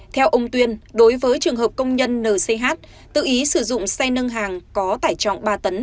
theo ông tuyên đối với trường hợp công nhân nch tự ý sử dụng xe nâng hàng có tải trọng ba tấn